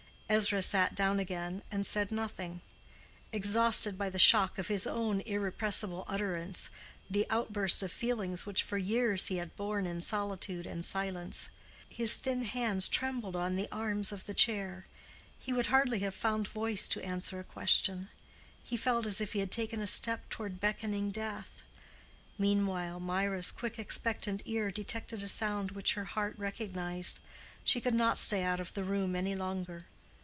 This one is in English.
Ezra sat down again and said nothing—exhausted by the shock of his own irrepressible utterance, the outburst of feelings which for years he had borne in solitude and silence. His thin hands trembled on the arms of the chair; he would hardly have found voice to answer a question; he felt as if he had taken a step toward beckoning Death. Meanwhile Mirah's quick expectant ear detected a sound which her heart recognized: she could not stay out of the room any longer.